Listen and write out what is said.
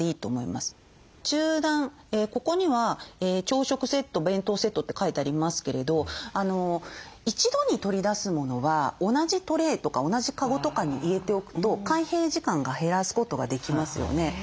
中段ここには「朝食セット」「弁当セット」って書いてありますけれど一度に取り出すものは同じトレーとか同じカゴとかに入れておくと開閉時間が減らすことができますよね。